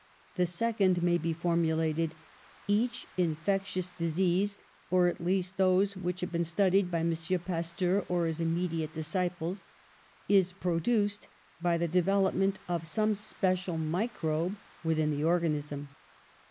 ^The second may be formulated: Each in fectious disease (or at least those which have been studied by M. Pasteur or his immediate disciples) is produced by the development of some special microbe within the organism.